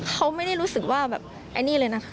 เขาไม่ได้รู้สึกว่าแบบไอ้นี่เลยนะ